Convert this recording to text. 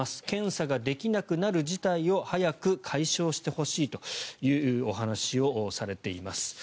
検査ができなくなる事態を早く解消してほしいというお話をされています。